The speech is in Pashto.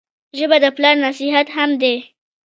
ژبه د پلار نصیحت هم دی